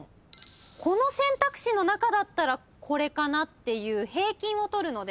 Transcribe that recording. この選択肢の中だったらこれかなっていう平均をとるので。